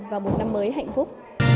và một năm mới hạnh phúc